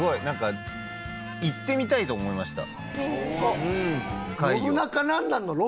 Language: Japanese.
なんか行ってみたいと思いました怪魚。